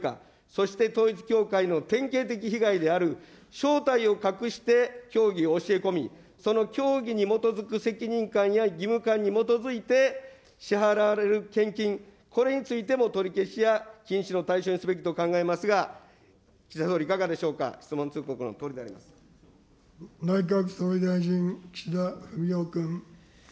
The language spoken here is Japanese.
そして統一教会の典型的被害である正体を隠して教義を教え込み、その教義に基づく責任感や義務感に基づいて、支払われる献金、これについても取り消しや禁止の対象にすべきと考えますが、岸田総理、いかがでしょうか、内閣総理大臣、岸田文雄君。